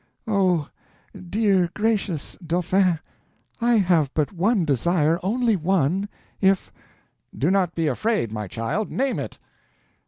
"Oh, dear and gracious Dauphin, I have but one desire—only one. If—" "Do not be afraid, my child—name it."